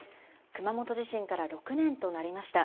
熊本地震から６年となりました。